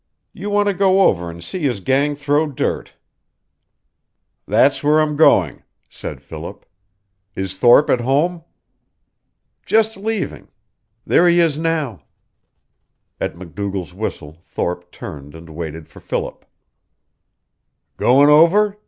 You want to go over and see his gang throw dirt." "That's where I'm going," said Philip. "Is Thorpe at home?" "Just leaving. There he is now!" At MacDougall's whistle Thorpe turned and waited for Philip. "Goin' over?"